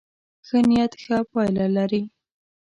ښه نيت ښه پایله لري.